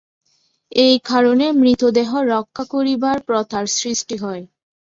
এই কারণে মৃতদেহ রক্ষা করিবার প্রথার সৃষ্টি হয়।